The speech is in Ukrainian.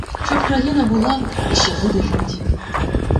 Що Вкраїна була і ще буде жить.